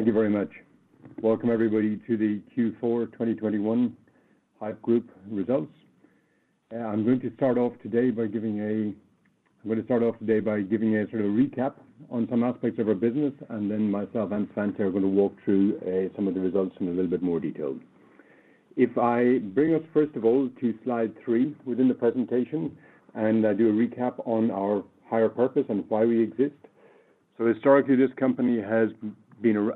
Thank you very much. Welcome everybody to the Q4 2021 Haypp Group results. I'm gonna start off today by giving a sort of recap on some aspects of our business, and then myself and Svante are gonna walk through some of the results in a little bit more detail. If I bring us first of all to slide three within the presentation, and I do a recap on our higher purpose and why we exist. Historically, this company has been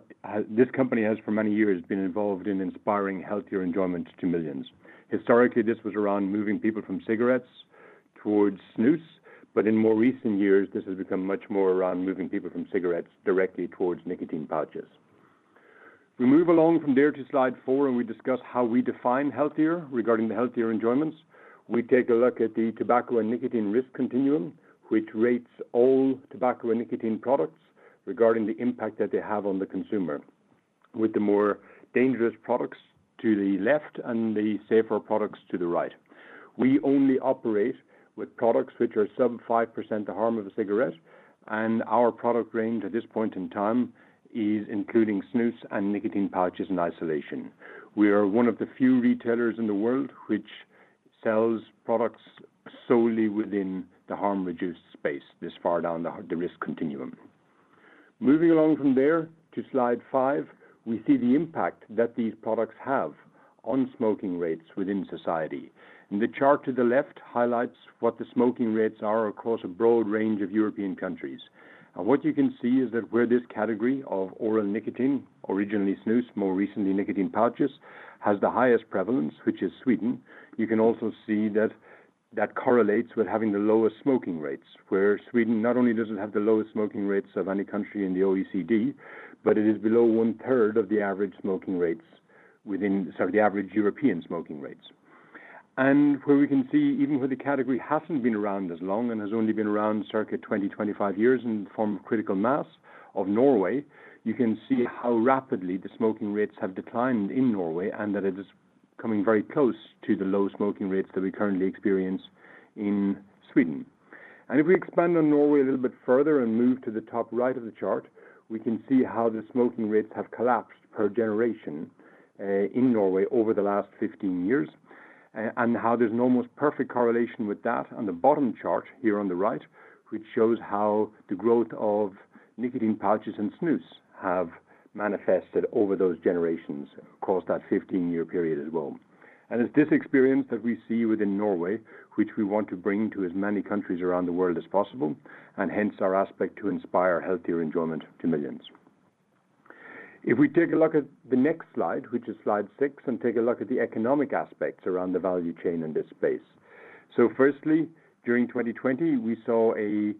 involved in inspiring healthier enjoyments to millions. Historically, this was around moving people from cigarettes towards snus, but in more recent years, this has become much more around moving people from cigarettes directly towards nicotine pouches. We move along from there to slide four, and we discuss how we define healthier regarding the healthier enjoyments. We take a look at the tobacco and nicotine risk continuum, which rates all tobacco and nicotine products regarding the impact that they have on the consumer, with the more dangerous products to the left and the safer products to the right. We only operate with products which are sub 5% the harm of a cigarette, and our product range at this point in time is including snus and nicotine pouches in isolation. We are one of the few retailers in the world which sells products solely within the harm reduced space this far down the risk continuum. Moving along from there to slide five, we see the impact that these products have on smoking rates within society. The chart to the left highlights what the smoking rates are across a broad range of European countries. What you can see is that where this category of oral nicotine, originally snus, more recently nicotine pouches, has the highest prevalence, which is Sweden. You can also see that that correlates with having the lowest smoking rates, where Sweden not only doesn't have the lowest smoking rates of any country in the OECD, but it is below one-third of the average smoking rates, sorry, the average European smoking rates. Where we can see, even where the category hasn't been around as long and has only been around circa 20-25 years and formed critical mass in Norway, you can see how rapidly the smoking rates have declined in Norway and that it is coming very close to the low smoking rates that we currently experience in Sweden. If we expand on Norway a little bit further and move to the top right of the chart, we can see how the smoking rates have collapsed per generation in Norway over the last 15 years, and how there's an almost perfect correlation with that on the bottom chart here on the right, which shows how the growth of nicotine pouches and snus have manifested over those generations across that 15-year period as well. It's this experience that we see within Norway, which we want to bring to as many countries around the world as possible, and hence our aspiration to inspire healthier enjoyment to millions. If we take a look at the next slide, which is slide six, and take a look at the economic aspects around the value chain in this space. Firstly, during 2020, we saw an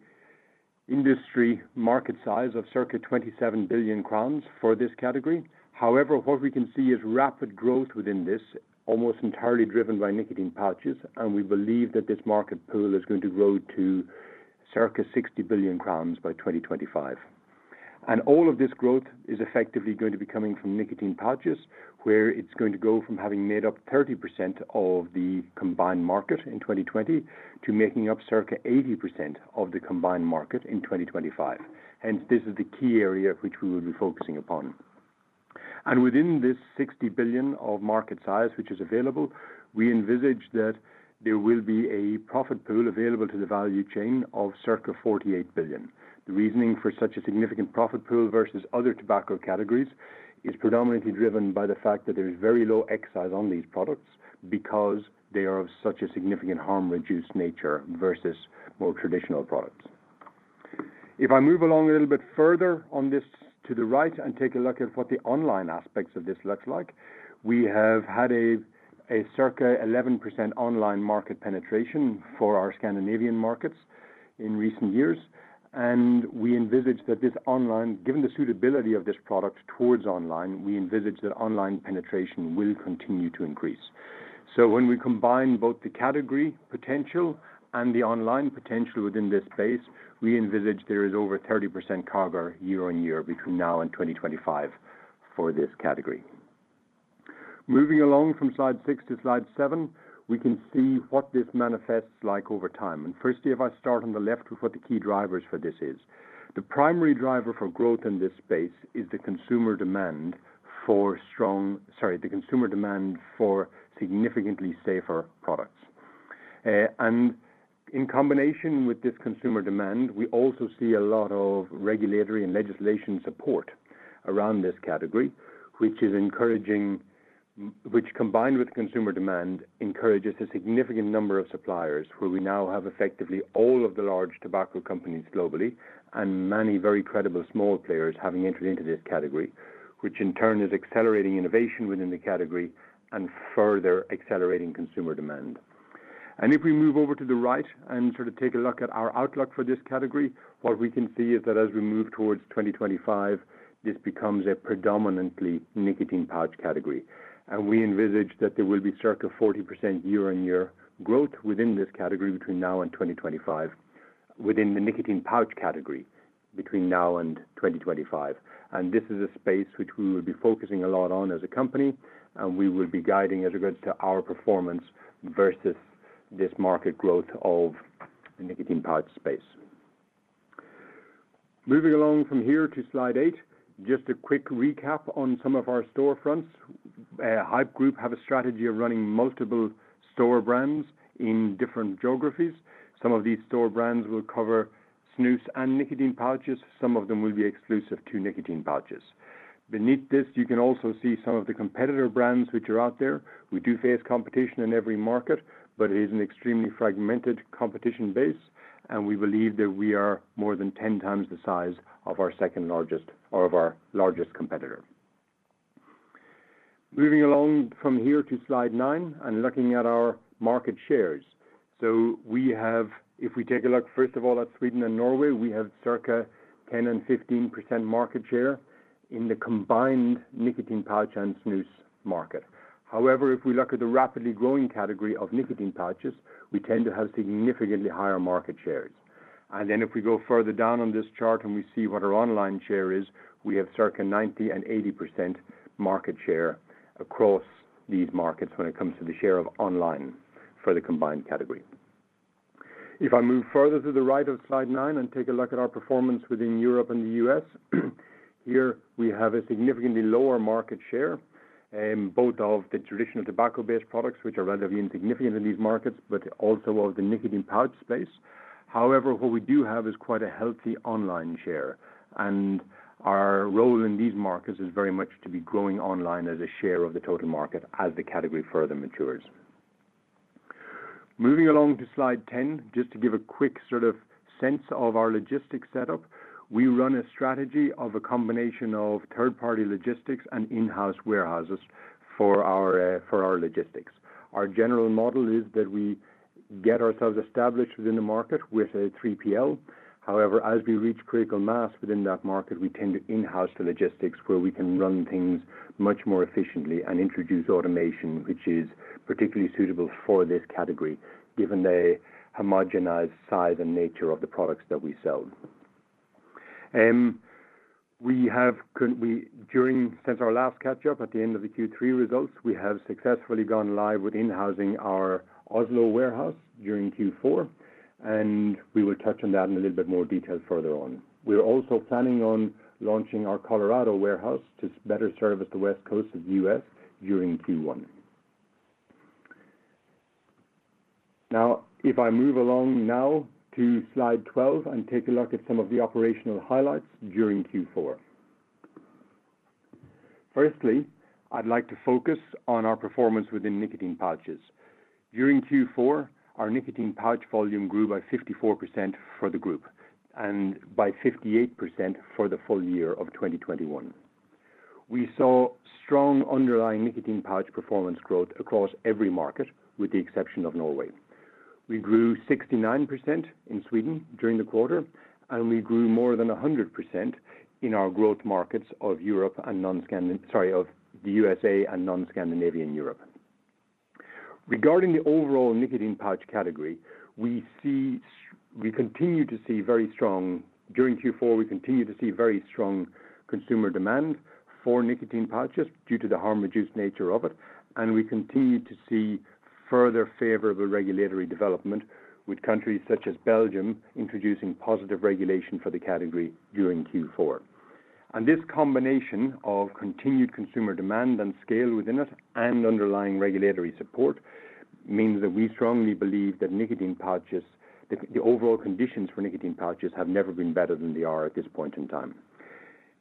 industry market size of circa 27 billion crowns for this category. However, what we can see is rapid growth within this, almost entirely driven by nicotine pouches, and we believe that this market pool is going to grow to circa 60 billion crowns by 2025. All of this growth is effectively going to be coming from nicotine pouches, where it's going to go from having made up 30% of the combined market in 2020 to making up circa 80% of the combined market in 2025. Hence, this is the key area which we will be focusing upon. Within this 60 billion of market size which is available, we envisage that there will be a profit pool available to the value chain of circa 48 billion. The reasoning for such a significant profit pool versus other tobacco categories is predominantly driven by the fact that there is very low excise on these products because they are of such a significant harm reduced nature versus more traditional products. If I move along a little bit further on this to the right and take a look at what the online aspects of this looks like, we have had a circa 11% online market penetration for our Scandinavian markets in recent years. Given the suitability of this product towards online, we envisage that online penetration will continue to increase. When we combine both the category potential and the online potential within this space, we envisage there is over 30% CAGR year-over-year between now and 2025 for this category. Moving along from slide six to slide seven, we can see what this manifests like over time. Firstly, if I start on the left with what the key drivers for this is. The primary driver for growth in this space is the consumer demand for significantly safer products. In combination with this consumer demand, we also see a lot of regulatory and legislative support around this category, which combined with consumer demand, encourages a significant number of suppliers, where we now have effectively all of the large tobacco companies globally and many very credible small players having entered into this category, which in turn is accelerating innovation within the category and further accelerating consumer demand. If we move over to the right and sort of take a look at our outlook for this category, what we can see is that as we move towards 2025, this becomes a predominantly nicotine pouch category. We envisage that there will be circa 40% year-on-year growth within this category between now and 2025, within the nicotine pouch category between now and 2025. This is a space which we will be focusing a lot on as a company, and we will be guiding as regards to our performance versus this market growth of the nicotine pouch space. Moving along from here to slide eight, just a quick recap on some of our storefronts. Haypp Group have a strategy of running multiple store brands in different geographies. Some of these store brands will cover snus and nicotine pouches. Some of them will be exclusive to nicotine pouches. Beneath this, you can also see some of the competitor brands which are out there. We do face competition in every market, but it is an extremely fragmented competition base, and we believe that we are more than 10 times the size of our second largest or of our largest competitor. Moving along from here to slide nine and looking at our market shares. We have. If we take a look, first of all, at Sweden and Norway, we have circa 10% and 15% market share in the combined nicotine pouches and snus market. However, if we look at the rapidly growing category of nicotine pouches, we tend to have significantly higher market shares. If we go further down on this chart and we see what our online share is, we have circa 90% and 80% market share across these markets when it comes to the share of online for the combined category. If I move further to the right of slide nine and take a look at our performance within Europe and the U.S., here we have a significantly lower market share, both of the traditional tobacco-based products, which are relatively insignificant in these markets, but also of the nicotine pouch space. However, what we do have is quite a healthy online share, and our role in these markets is very much to be growing online as a share of the total market as the category further matures. Moving along to slide 10, just to give a quick sort of sense of our logistics setup. We run a strategy of a combination of third-party logistics and in-house warehouses for our logistics. Our general model is that we get ourselves established within the market with a 3PL. However, as we reach critical mass within that market, we tend to in-house the logistics where we can run things much more efficiently and introduce automation, which is particularly suitable for this category, given the homogenized size and nature of the products that we sell. Since our last catch-up at the end of the Q3 results, we have successfully gone live with in-housing our Oslo warehouse during Q4, and we will touch on that in a little bit more detail further on. We are also planning on launching our Colorado warehouse to better service the West Coast of the U.S. during Q1. Now, if I move along now to slide 12 and take a look at some of the operational highlights during Q4. Firstly, I'd like to focus on our performance within nicotine pouches. During Q4, our nicotine pouch volume grew by 54% for the group and by 58% for the full year of 2021. We saw strong underlying nicotine pouch performance growth across every market, with the exception of Norway. We grew 69% in Sweden during the quarter, and we grew more than 100% in our growth markets, sorry, of the U.S. and non-Scandinavian Europe. Regarding the overall nicotine pouch category, we continue to see very strong. During Q4, we continue to see very strong consumer demand for nicotine pouches due to the harm-reduced nature of it, and we continue to see further favorable regulatory development with countries such as Belgium introducing positive regulation for the category during Q4. This combination of continued consumer demand and scale within the U.S. and underlying regulatory support means that we strongly believe that nicotine pouches, the overall conditions for nicotine pouches have never been better than they are at this point in time.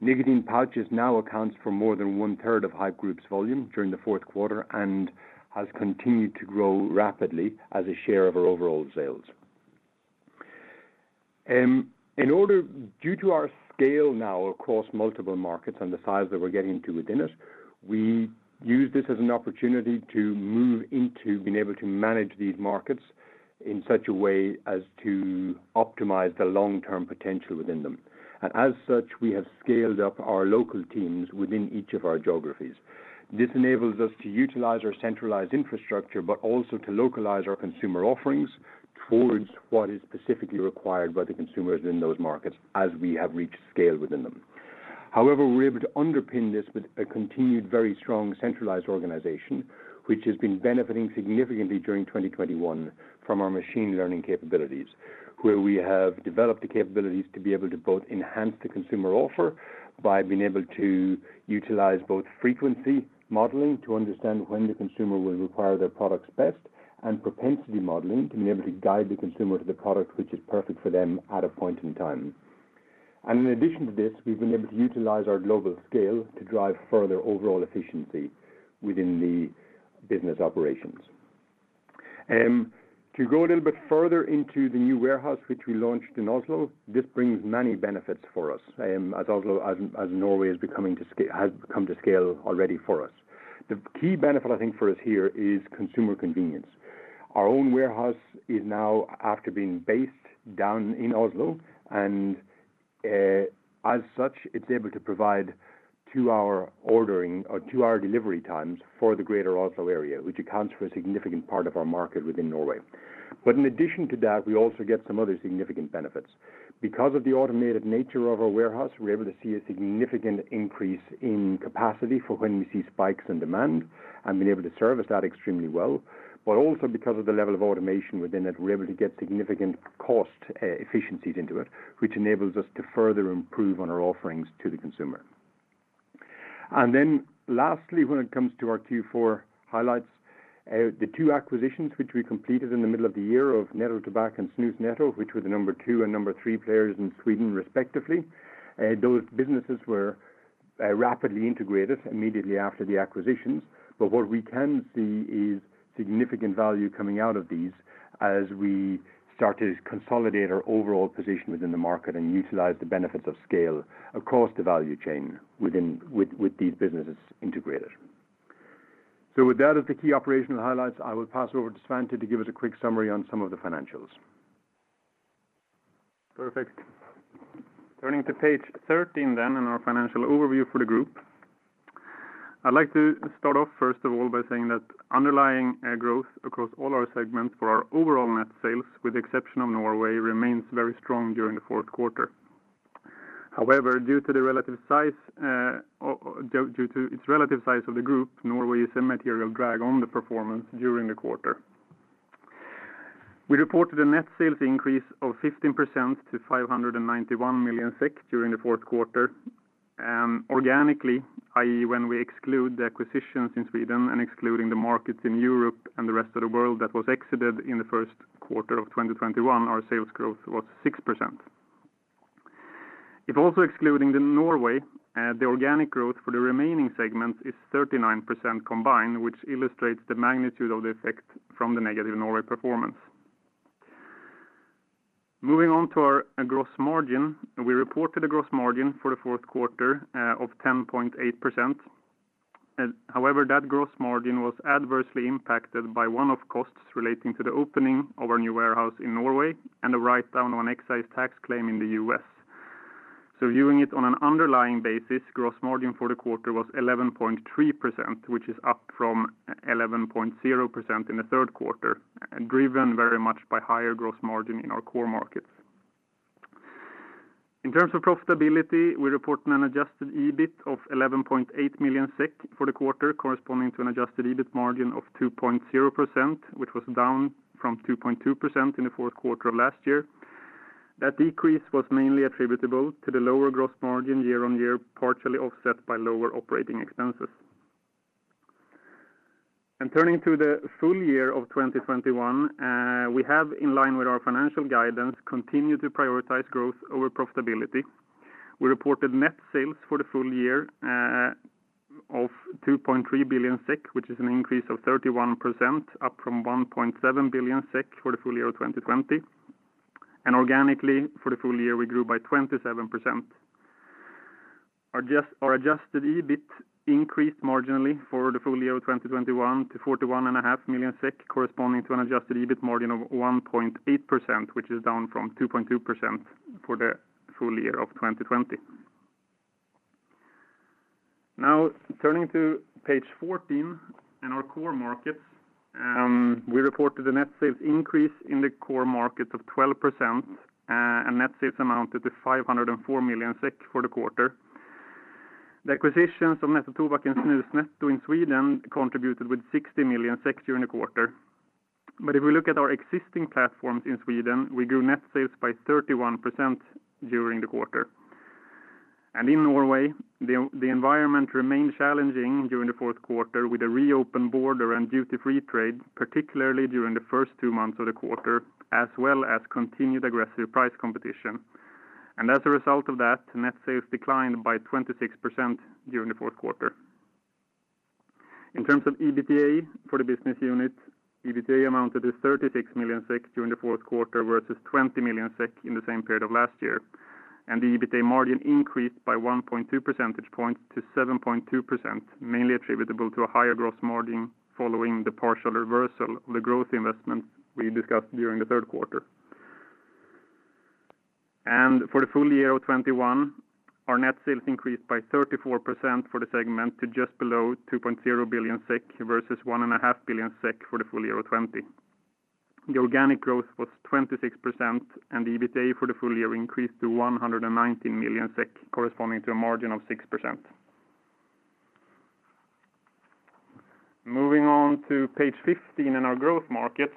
Nicotine pouches now accounts for more than 1/3 of Haypp Group's volume during the 4th quarter and has continued to grow rapidly as a share of our overall sales. In order due to our scale now across multiple markets and the size that we're getting to within it, we use this as an opportunity to move into being able to manage these markets in such a way as to optimize the long-term potential within them. As such, we have scaled up our local teams within each of our geographies. This enables us to utilize our centralized infrastructure, but also to localize our consumer offerings towards what is specifically required by the consumers in those markets as we have reached scale within them. However, we're able to underpin this with a continued, very strong centralized organization, which has been benefiting significantly during 2021 from our machine learning capabilities, where we have developed the capabilities to be able to both enhance the consumer offer by being able to utilize both frequency modeling to understand when the consumer will require their products best and propensity modeling to be able to guide the consumer to the product which is perfect for them at a point in time. In addition to this, we've been able to utilize our global scale to drive further overall efficiency within the business operations. To go a little bit further into the new warehouse which we launched in Oslo, this brings many benefits for us, as Oslo, as Norway has come to scale already for us. The key benefit I think for us here is consumer convenience. Our own warehouse is now after being based down in Oslo and, as such, it's able to provide two-hour ordering or two-hour delivery times for the greater Oslo area, which accounts for a significant part of our market within Norway. In addition to that, we also get some other significant benefits. Because of the automated nature of our warehouse, we're able to see a significant increase in capacity for when we see spikes in demand and been able to service that extremely well. Also because of the level of automation within it, we're able to get significant cost efficiencies into it, which enables us to further improve on our offerings to the consumer. Lastly, when it comes to our Q4 highlights, the two acquisitions which we completed in the middle of the year of NettoTobak and Snusnetto, which were the number two and number three players in Sweden, respectively. Those businesses were rapidly integrated immediately after the acquisitions. What we can see is significant value coming out of these as we start to consolidate our overall position within the market and utilize the benefits of scale across the value chain with these businesses integrated. With that as the key operational highlights, I will pass over to Svante to give us a quick summary on some of the financials. Perfect. Turning to page 13 then, in our financial overview for the group. I'd like to start off, first of all, by saying that underlying growth across all our segments for our overall net sales, with the exception of Norway, remains very strong during the 4th quarter. However, due to its relative size of the group, Norway is a material drag on the performance during the quarter. We reported a net sales increase of 15% to 591 million SEK during the 4th quarter. Organically, i.e., when we exclude the acquisitions in Sweden and excluding the markets in Europe and the rest of the world that was exited in the 1st quarter of 2021, our sales growth was 6%. If also excluding the Norway, the organic growth for the remaining segment is 39% combined, which illustrates the magnitude of the effect from the negative Norway performance. Moving on to our gross margin. We reported a gross margin for the 4th quarter of 10.8%. However, that gross margin was adversely impacted by one-off costs relating to the opening of our new warehouse in Norway and a write-down on excise tax claim in the U.S. Viewing it on an underlying basis, gross margin for the quarter was 11.3%, which is up from 11.0% in the 3rd quarter, driven very much by higher gross margin in our core markets. In terms of profitability, we're reporting an adjusted EBIT of 11.8 million SEK for the quarter, corresponding to an adjusted EBIT margin of 2.0%, which was down from 2.2% in the 4th quarter of last year. That decrease was mainly attributable to the lower gross margin year-on-year, partially offset by lower operating expenses. Turning to the full year of 2021, we have, in line with our financial guidance, continued to prioritize growth over profitability. We reported net sales for the full year of 2.3 billion SEK, which is an increase of 31% up from 1.7 billion SEK for the full year of 2020. Organically for the full year, we grew by 27%. Adjusted EBIT increased marginally for the full year of 2021 to 41.5 million SEK, corresponding to an adjusted EBIT margin of 1.8%, which is down from 2.2% for the full year of 2020. Now turning to page 14 in our core markets, we reported a net sales increase in the core markets of 12%, and net sales amounted to 504 million SEK for the quarter. The acquisitions of NettoTobak and Snusnetto in Sweden contributed with 60 million during the quarter. If we look at our existing platforms in Sweden, we grew net sales by 31% during the quarter. In Norway, the environment remained challenging during the 4th quarter with a reopened border and duty-free trade, particularly during the first two months of the quarter, as well as continued aggressive price competition. As a result of that, net sales declined by 26% during the 4th quarter. In terms of EBITDA for the business unit, EBITDA amounted to 36 million SEK during the 4th quarter versus 20 million SEK in the same period of last year. The EBITDA margin increased by 1.2 percentage points to 7.2%, mainly attributable to a higher gross margin following the partial reversal of the growth investment we discussed during the 3rd quarter. For the full year of 2021, our net sales increased by 34% for the segment to just below 2.0 billion SEK versus 1.5 billion SEK for the full year of 2020. The organic growth was 26%, and the EBITDA for the full year increased to 119 million SEK, corresponding to a margin of 6%. Moving on to page 15 in our growth markets.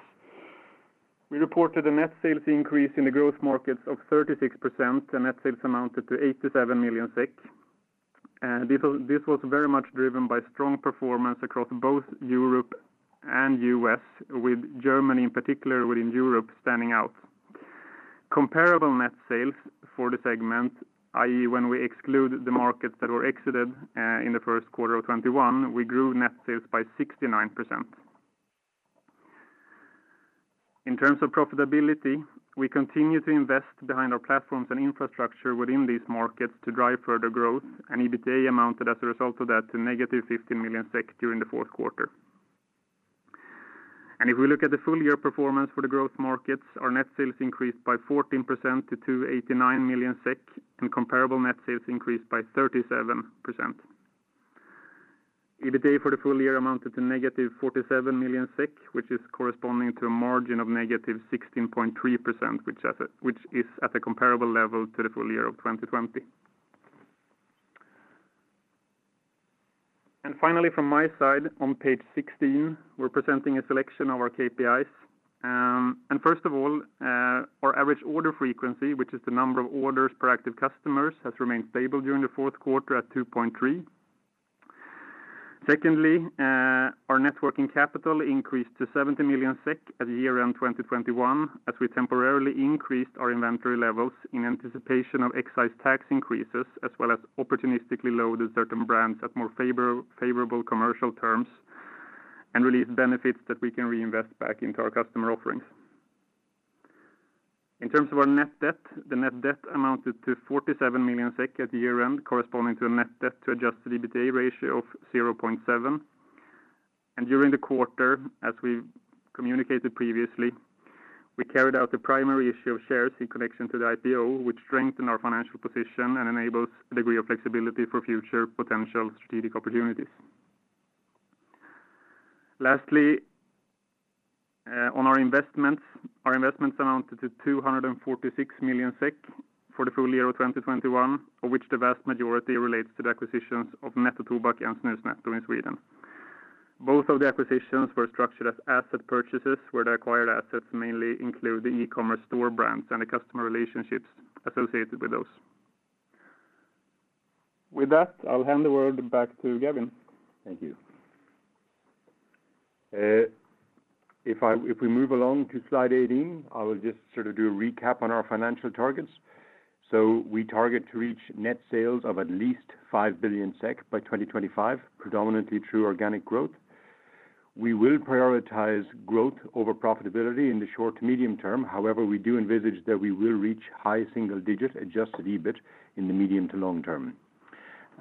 We reported a net sales increase in the growth markets of 36%, and net sales amounted to 87 million SEK. This was very much driven by strong performance across both Europe and U.S., with Germany in particular within Europe standing out. Comparable net sales for the segment, i.e., when we exclude the markets that were exited in the 1st quarter of 2021, we grew net sales by 69%. In terms of profitability, we continue to invest behind our platforms and infrastructure within these markets to drive further growth, and EBITDA amounted as a result of that to negative 50 million SEK during the 4th quarter. If we look at the full year performance for the growth markets, our net sales increased by 14% to 289 million SEK, and comparable net sales increased by 37%. EBITDA for the full year amounted to negative 47 million SEK, which is corresponding to a margin of negative 16.3%, which is at a comparable level to the full year of 2020. Finally, from my side on page 16, we're presenting a selection of our KPIs. First of all, our average order frequency, which is the number of orders per active customers, has remained stable during the 4th quarter at 2.3. Secondly, our net working capital increased to 70 million SEK at year-end 2021, as we temporarily increased our inventory levels in anticipation of excise tax increases as well as opportunistically loaded certain brands at more favorable commercial terms and realized benefits that we can reinvest back into our customer offerings. In terms of our net debt, the net debt amounted to 47 million SEK at year-end, corresponding to a net debt to adjusted EBITDA ratio of 0.7. During the quarter, as we communicated previously, we carried out the primary issue of shares in connection to the IPO, which strengthened our financial position and enables a degree of flexibility for future potential strategic opportunities. Lastly, on our investments. Our investments amounted to 246 million SEK for the full year of 2021, of which the vast majority relates to the acquisitions of NettoTobak and Snusnetto in Sweden. Both of the acquisitions were structured as asset purchases, where the acquired assets mainly include the e-commerce store brands and the customer relationships associated with those. With that, I'll hand the word back to Gavin. Thank you. If we move along to slide 18, I will just sort of do a recap on our financial targets. We target to reach net sales of at least 5 billion SEK by 2025, predominantly through organic growth. We will prioritize growth over profitability in the short to medium term. However, we do envisage that we will reach high single digits adjusted to EBIT in the medium to long term.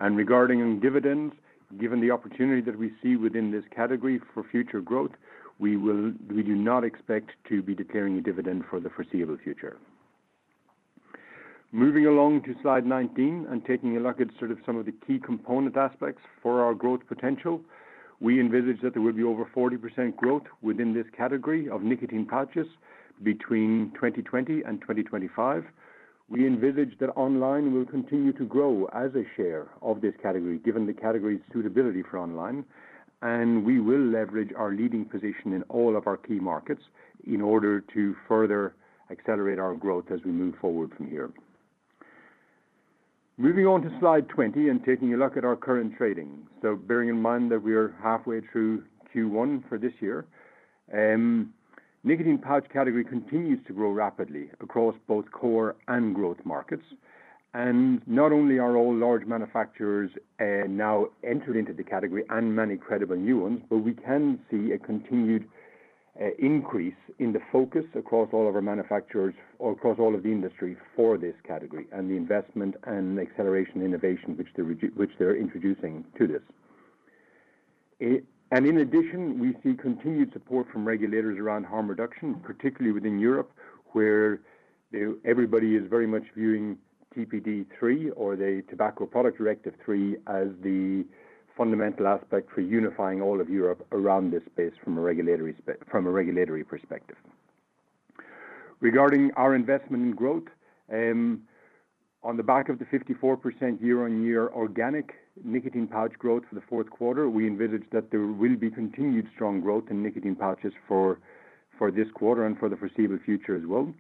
Regarding dividends, given the opportunity that we see within this category for future growth, we do not expect to be declaring a dividend for the foreseeable future. Moving along to slide 19 and taking a look at sort of some of the key component aspects for our growth potential. We envisage that there will be over 40% growth within this category of nicotine pouches between 2020 and 2025. We envisage that online will continue to grow as a share of this category, given the category's suitability for online, and we will leverage our leading position in all of our key markets in order to further accelerate our growth as we move forward from here. Moving on to slide 20 and taking a look at our current trading. Bearing in mind that we are halfway through Q1 for this year, nicotine pouches category continues to grow rapidly across both core and growth markets. Not only are all large manufacturers now entered into the category and many credible new ones, but we can see a continued increase in the focus across all of our manufacturers or across all of the industry for this category and the investment and accelerating innovation which they're introducing to this. In addition, we see continued support from regulators around harm reduction, particularly within Europe, where everybody is very much viewing TPD3 or the Tobacco Product Directive III as the fundamental aspect for unifying all of Europe around this space from a regulatory perspective. Regarding our investment in growth, on the back of the 54% year-on-year organic nicotine pouch growth for the 4th quarter, we envisage that there will be continued strong growth in nicotine pouches for this quarter and for the foreseeable future as well.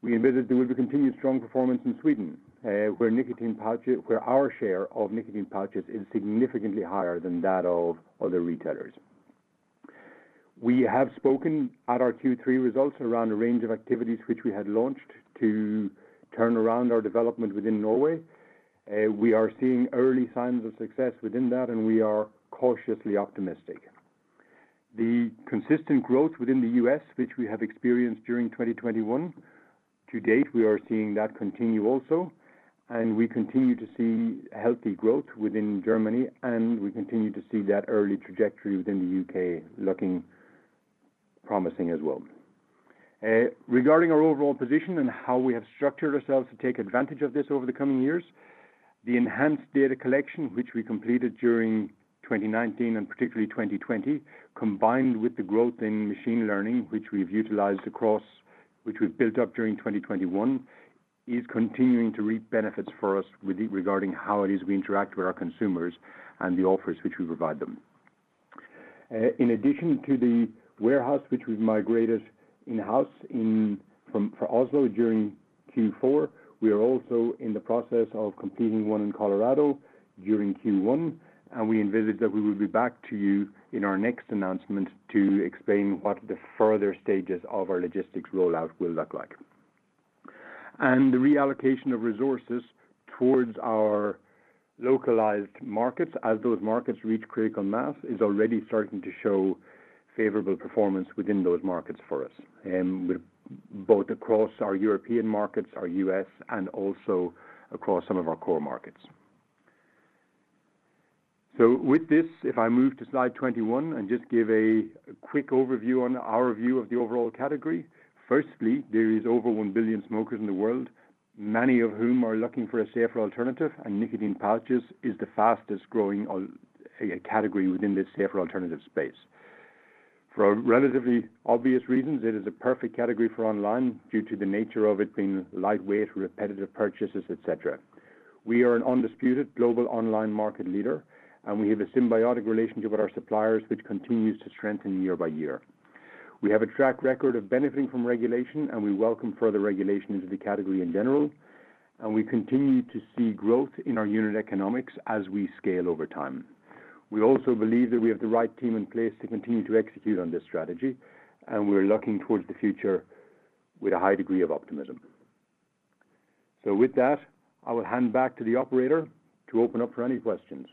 We envisage there will be continued strong performance in Sweden, where our share of nicotine pouches is significantly higher than that of other retailers. We have spoken at our Q3 results around a range of activities which we had launched to turn around our development within Norway. We are seeing early signs of success within that, and we are cautiously optimistic. The consistent growth within the U.S., which we have experienced during 2021 to date, we are seeing that continue also, and we continue to see healthy growth within Germany, and we continue to see that early trajectory within the U.K. looking promising as well. Regarding our overall position and how we have structured ourselves to take advantage of this over the coming years, the enhanced data collection, which we completed during 2019 and particularly 2020, combined with the growth in machine learning, which we've built up during 2021, is continuing to reap benefits for us regarding how it is we interact with our consumers and the offers which we provide them. In addition to the warehouse which we've migrated in-house in Oslo during Q4, we are also in the process of completing one in Colorado during Q1, and we envisage that we will be back to you in our next announcement to explain what the further stages of our logistics rollout will look like. The reallocation of resources towards our localized markets as those markets reach critical mass is already starting to show favorable performance within those markets for us with both across our European markets, our U.S., and also across some of our core markets. With this, if I move to slide 21 and just give a quick overview on our view of the overall category. Firstly, there is over 1 billion smokers in the world, many of whom are looking for a safer alternative, and nicotine pouches is the fastest growing category within this safer alternative space. For relatively obvious reasons, it is a perfect category for online due to the nature of it being lightweight, repetitive purchases, et cetera. We are an undisputed global online market leader, and we have a symbiotic relationship with our suppliers, which continues to strengthen year by year. We have a track record of benefiting from regulation, and we welcome further regulation into the category in general, and we continue to see growth in our unit economics as we scale over time. We also believe that we have the right team in place to continue to execute on this strategy, and we're looking towards the future with a high degree of optimism. With that, I will hand back to the operator to open up for any questions.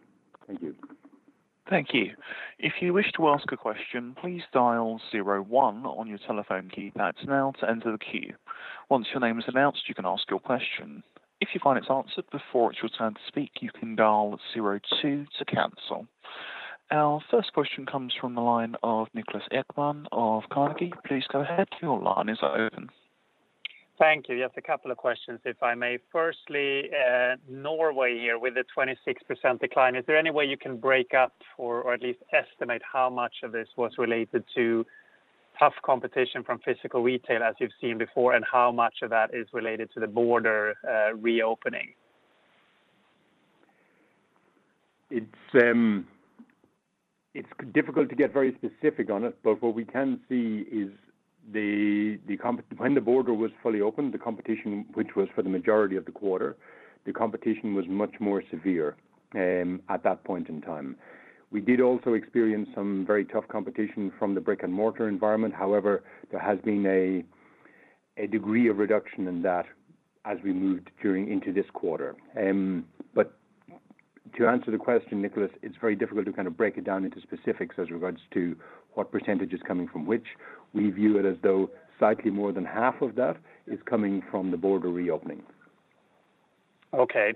Thank you. Thank you. If you wish to ask a question, please dial zero one on your telephone keypad now to enter the queue. Once your name is announced, you can ask your question. If you find it's answered before it's your turn to speak, you can dial zero two to cancel. Our 1st question comes from the line of Niklas Ekman of Carnegie. Please go ahead. Your line is open. Thank you. Just a couple of questions, if I may. Firstly, Norway here with a 26% decline. Is there any way you can break up or at least estimate how much of this was related to tough competition from physical retail as you've seen before, and how much of that is related to the border reopening? It's difficult to get very specific on it, but what we can see is when the border was fully open, the competition, which was for the majority of the quarter, was much more severe at that point in time. We did also experience some very tough competition from the brick-and-mortar environment. However, there has been a degree of reduction in that as we moved into this quarter. To answer the question, Niklas, it's very difficult to kind of break it down into specifics as regards to what percentage is coming from which. We view it as though slightly more than half of that is coming from the border reopening. Okay.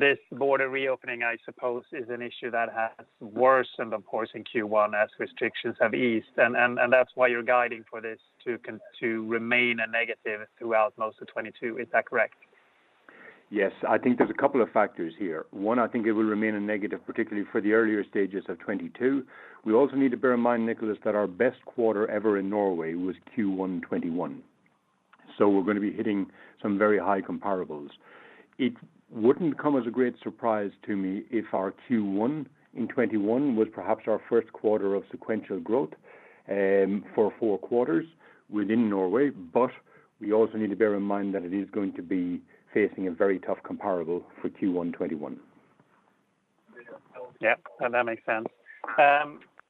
This border reopening, I suppose, is an issue that has worsened, of course, in Q1 as restrictions have eased. That's why you're guiding for this to remain a negative throughout most of 2022. Is that correct? Yes. I think there's a couple of factors here. One, I think it will remain a negative, particularly for the earlier stages of 2022. We also need to bear in mind, Niklas, that our best quarter ever in Norway was Q1 2021. We're gonna be hitting some very high comparables. It wouldn't come as a great surprise to me if our Q1 in 2021 was perhaps our 1st quarter of sequential growth for four quarters within Norway. We also need to bear in mind that it is going to be facing a very tough comparable for Q1 2021. Yeah. That makes sense.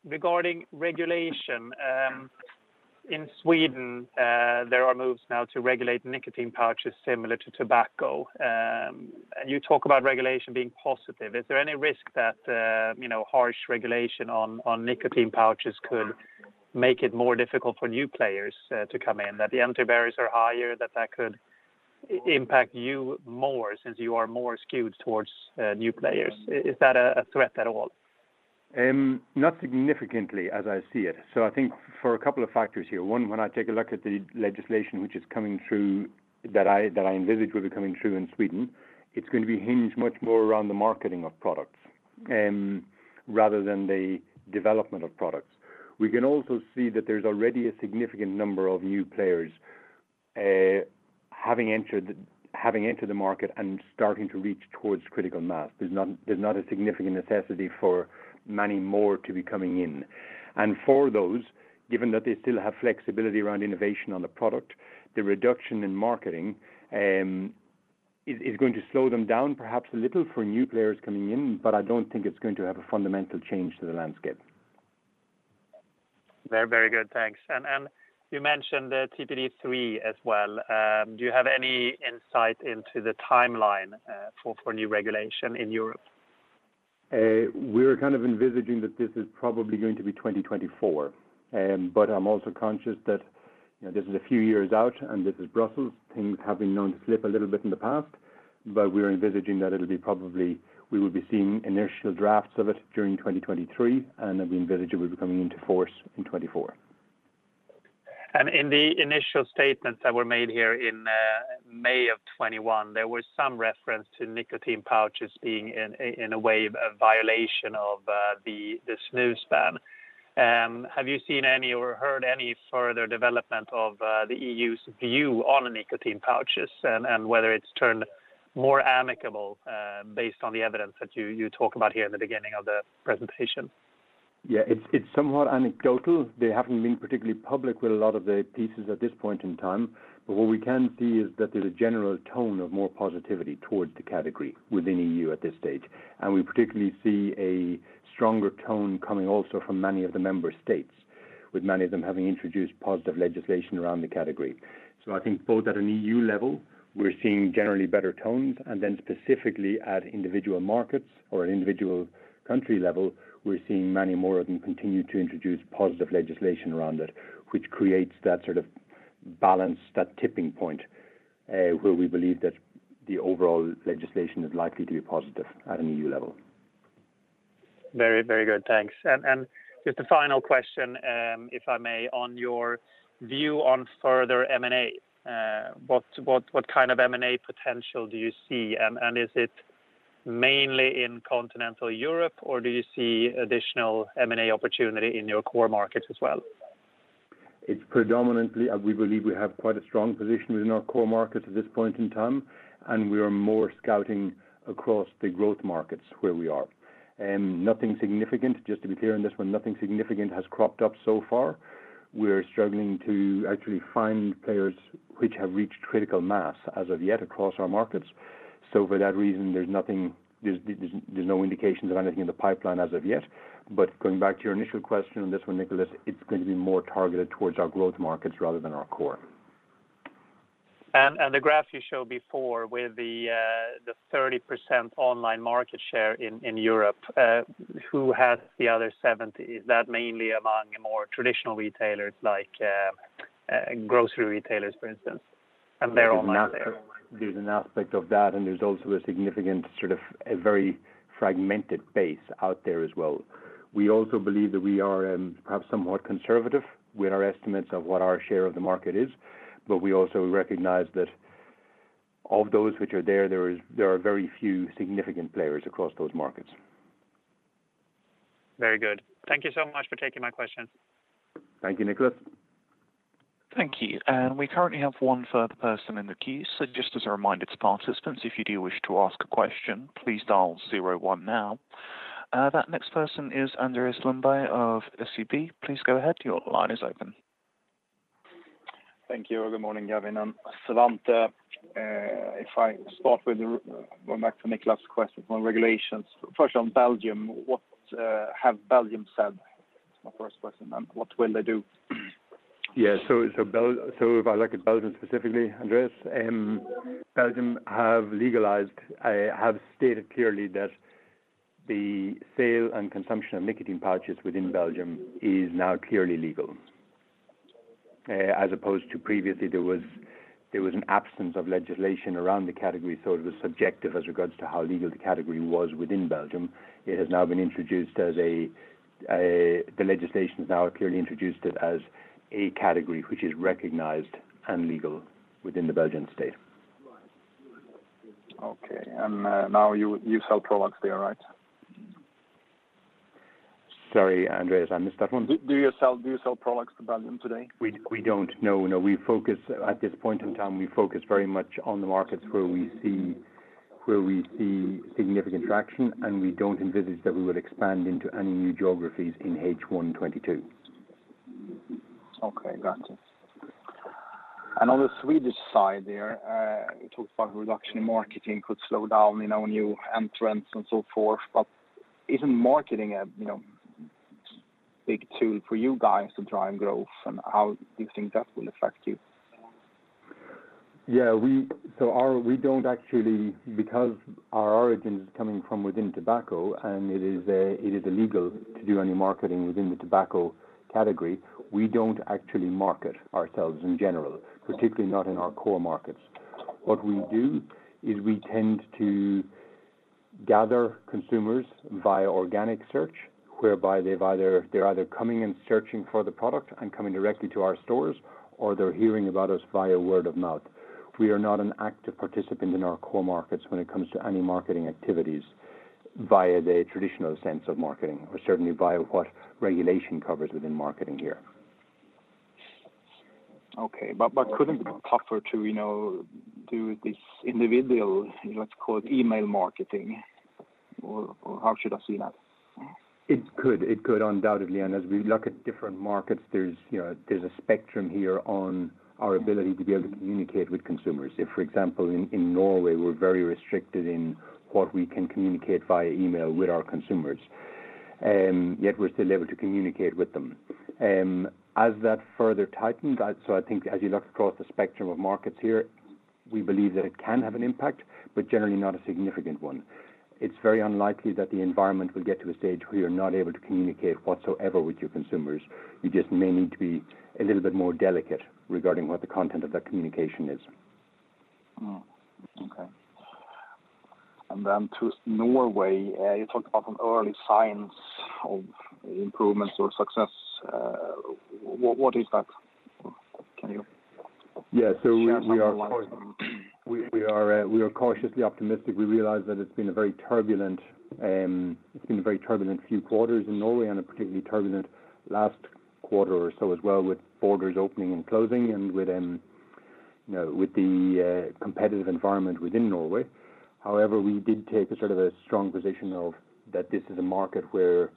Regarding regulation, in Sweden, there are moves now to regulate nicotine pouches similar to tobacco. You talk about regulation being positive. Is there any risk that, you know, harsh regulation on nicotine pouches could make it more difficult for new players to come in? That the entry barriers are higher, that could impact you more since you are more skewed towards new players. Is that a threat at all? Not significantly as I see it. I think for a couple of factors here. One, when I take a look at the legislation which is coming through that I envisage will be coming through in Sweden, it's gonna be hinged much more around the marketing of products, rather than the development of products. We can also see that there's already a significant number of new players having entered the market and starting to reach towards critical mass. There's not a significant necessity for many more to be coming in. For those, given that they still have flexibility around innovation on the product, the reduction in marketing is going to slow them down, perhaps a little for new players coming in, but I don't think it's going to have a fundamental change to the landscape. Very, very good. Thanks. You mentioned the TPD3 as well. Do you have any insight into the timeline, for new regulation in Europe? We're kind of envisaging that this is probably going to be 2024. I'm also conscious that, you know, this is a few years out and this is Brussels. Things have been known to slip a little bit in the past. We're envisaging we will be seeing initial drafts of it during 2023, and I envisage it will be coming into force in 2024. In the initial statements that were made here in May of 2021, there was some reference to nicotine pouches being in a way a violation of the snus ban. Have you seen any or heard any further development of the EU's view on nicotine pouches and whether it's turned more amicable based on the evidence that you talk about here in the beginning of the presentation? Yeah. It's somewhat anecdotal. They haven't been particularly public with a lot of their pieces at this point in time. What we can see is that there's a general tone of more positivity towards the category within EU at this stage. We particularly see a stronger tone coming also from many of the member states, with many of them having introduced positive legislation around the category. I think both at an EU level, we're seeing generally better tones, and then specifically at individual markets or an individual country level, we're seeing many more of them continue to introduce positive legislation around it, which creates that sort of balance, that tipping point, where we believe that the overall legislation is likely to be positive at an EU level. Very, very good. Thanks. Just a final question, if I may, on your view on further M&A. What kind of M&A potential do you see? Is it mainly in continental Europe or do you see additional M&A opportunity in your core markets as well? It's predominantly we believe we have quite a strong position within our core markets at this point in time, and we are more scouting across the growth markets where we are. Nothing significant, just to be clear on this one, nothing significant has cropped up so far. We're struggling to actually find players which have reached critical mass as of yet across our markets. For that reason, there's nothing. There's no indications of anything in the pipeline as of yet. Going back to your initial question on this one, Niklas, it's going to be more targeted towards our growth markets rather than our core. The graph you showed before with the 30% online market share in Europe, who has the other 70%? Is that mainly among more traditional retailers like grocery retailers, for instance? They're online there. There's an aspect of that, and there's also a significant sort of a very fragmented base out there as well. We also believe that we are perhaps somewhat conservative with our estimates of what our share of the market is, but we also recognize that of those which are there are very few significant players across those markets. Very good. Thank you so much for taking my question. Thank you, Niklas Ekman. Thank you. We currently have one further person in the queue. Just as a reminder to participants, if you do wish to ask a question, please dial zero one now. That next person is Andreas Lundberg of SEB. Please go ahead. Your line is open. Thank you. Good morning, Gavin and Svante. If I start with going back to Niklas Ekman's question on regulations. First on Belgium, what have Belgium said? That's my 1st question. What will they do? If I look at Belgium specifically, Andreas, Belgium have stated clearly that the sale and consumption of nicotine pouches within Belgium is now clearly legal. As opposed to previously, there was an absence of legislation around the category, so it was subjective as regards to how legal the category was within Belgium. The legislation has now clearly introduced it as a category which is recognized and legal within the Belgian state. Okay. Now you sell products there, right? Sorry, Andreas, I missed that one. Do you sell products to Belgium today? We don't. No. At this point in time, we focus very much on the markets where we see significant traction, and we don't envisage that we would expand into any new geographies in H1 2022. Okay, got it. On the Swedish side there, you talked about reduction in marketing could slow down, you know, new entrants and so forth. Isn't marketing a, you know, big tool for you guys to drive growth? How do you think that will affect you? We don't actually market ourselves in general, particularly not in our core markets, because our origin is coming from within tobacco and it is illegal to do any marketing within the tobacco category. What we do is we tend to gather consumers via organic search, whereby they're either coming and searching for the product and coming directly to our stores, or they're hearing about us via word of mouth. We are not an active participant in our core markets when it comes to any marketing activities via the traditional sense of marketing, or certainly via what regulation covers within marketing here. Okay. Couldn't it be tougher to, you know, do this individual, let's call it email marketing, or how should I see that? It could, undoubtedly. As we look at different markets, there's, you know, a spectrum here on our ability to be able to communicate with consumers. If, for example, in Norway, we're very restricted in what we can communicate via email with our consumers, yet we're still able to communicate with them. As that further tightens, I think as you look across the spectrum of markets here, we believe that it can have an impact, but generally not a significant one. It's very unlikely that the environment will get to a stage where you're not able to communicate whatsoever with your consumers. You just may need to be a little bit more delicate regarding what the content of that communication is. Okay. To Norway, you talked about some early signs of improvements or success. What is that? Can you- Yeah. We are Share something. We are cautiously optimistic. We realize that it's been a very turbulent few quarters in Norway and a particularly turbulent last quarter or so as well with borders opening and closing and within, you know, with the competitive environment within Norway. However, we did take a sort of a strong position of that this is a market where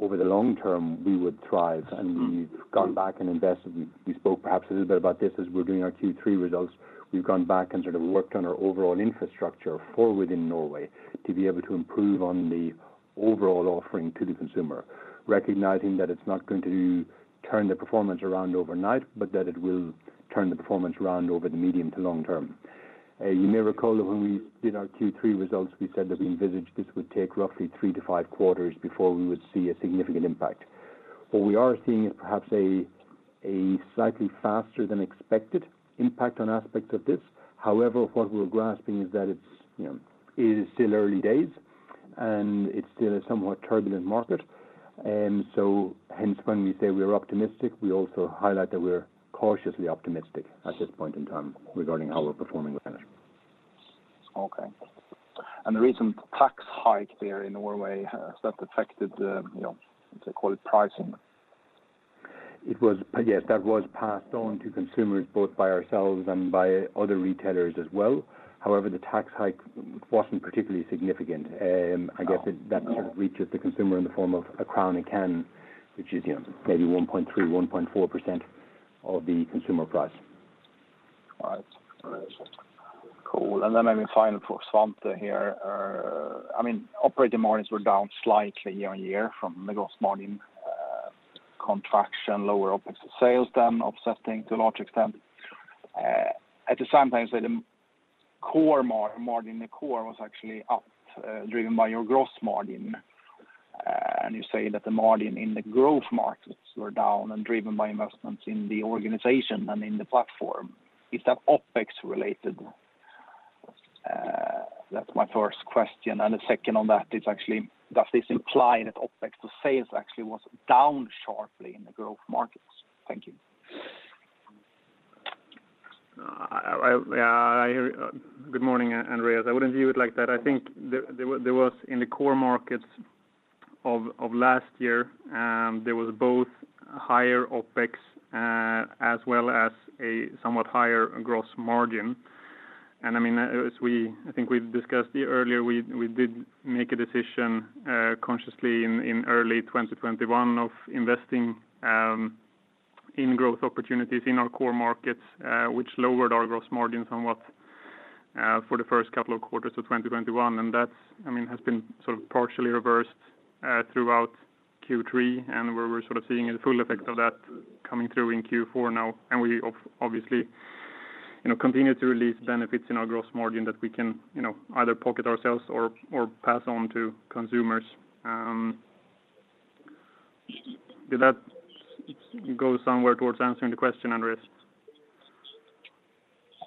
over the long term, we would thrive, and we've gone back and invested. We spoke perhaps a little bit about this as we're doing our Q3 results. We've gone back and sort of worked on our overall infrastructure forward in Norway to be able to improve on the overall offering to the consumer, recognizing that it's not going to turn the performance around overnight, but that it will turn the performance around over the medium to long term. You may recall that when we did our Q3 results, we said that we envisaged this would take roughly three to five quarters before we would see a significant impact. What we are seeing is perhaps a slightly faster than expected impact on aspects of this. However, what we're grasping is that it's, you know, it is still early days and it's still a somewhat turbulent market. Hence when we say we are optimistic, we also highlight that we're cautiously optimistic at this point in time regarding how we're performing with energy. Okay. The recent tax hike there in Norway, has that affected the, you know, let's say quality pricing? Yes, that was passed on to consumers, both by ourselves and by other retailers as well. However, the tax hike wasn't particularly significant. I guess that sort of reaches the consumer in the form of SEK 1 a can, which is, you know, maybe 1.3%-1.4% of the consumer price. All right. Cool. Maybe final for Svante here. I mean, operating margins were down slightly year-over-year from the gross margin contraction, lower OpEx, sales then offsetting to a large extent. At the same time, the core margin, the core was actually up, driven by your gross margin. You say that the margin in the growth markets were down and driven by investments in the organization and in the platform. Is that OpEx related? That's my 1st question. The second on that is actually does this imply that OpEx to sales actually was down sharply in the growth markets? Thank you. Good morning, Andreas. I wouldn't view it like that. I think there was, in the core markets of last year, there was both higher OpEx as well as a somewhat higher gross margin. I mean, I think we've discussed here earlier, we did make a decision consciously in early 2021 of investing in growth opportunities in our core markets, which lowered our gross margin somewhat for the first couple of quarters of 2021. That's, I mean, has been sort of partially reversed throughout Q3, and we're sort of seeing the full effect of that coming through in Q4 now. We obviously, you know, continue to release benefits in our gross margin that we can, you know, either pocket ourselves or pass on to consumers. Did that go somewhere towards answering the question, Andreas?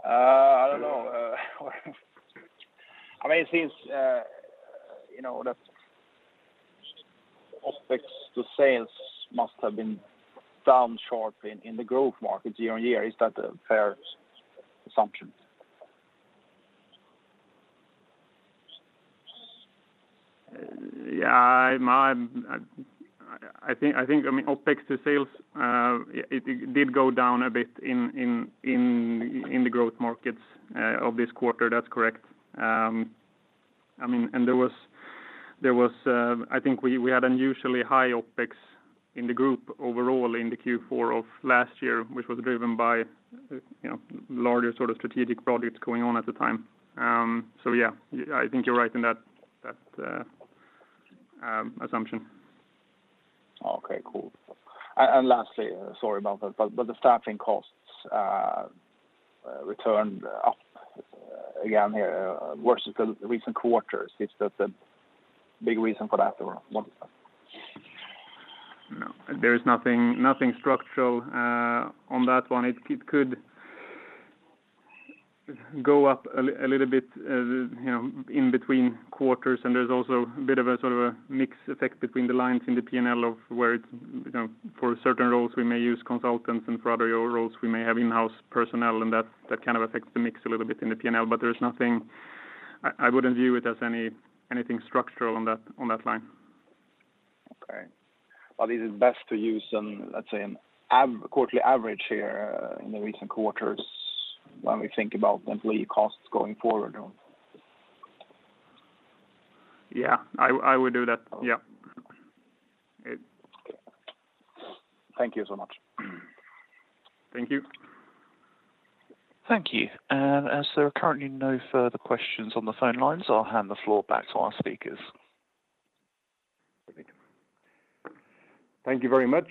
I don't know. I mean, it seems, you know, that OpEx to sales must have been down sharply in the growth markets year on year. Is that a fair assumption? Yeah, I think. I mean, OpEx to sales, it did go down a bit in the growth markets of this quarter. That's correct. I mean, there was. I think we had unusually high OpEx in the group overall in the Q4 of last year, which was driven by, you know, larger sort of strategic projects going on at the time. Yeah, I think you're right in that assumption. Okay, cool. Lastly, sorry about that, but the staffing costs ramped up again here versus the recent quarters. Is that a big reason for that or what? No, there is nothing structural on that one. It could go up a little bit, you know, in between quarters, and there's also a bit of a sort of a mix effect between the lines in the P&L of where it's, you know, for certain roles we may use consultants and for other roles we may have in-house personnel, and that kind of affects the mix a little bit in the P&L. But there's nothing. I wouldn't view it as anything structural on that line. Is it best to use, let's say, a quarterly average here in the recent quarters when we think about employee costs going forward? Yeah. I would do that. Yeah. Okay. Thank you so much. Thank you. Thank you. As there are currently no further questions on the phone lines, I'll hand the floor back to our speakers. Thank you. Thank you very much.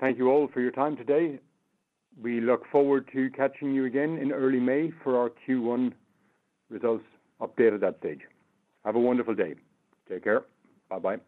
Thank you all for your time today. We look forward to catching you again in early May for our Q1 results update at that stage. Have a wonderful day. Take care. Bye-bye.